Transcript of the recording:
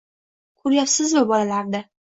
Ko`ryapsizmi bolalarni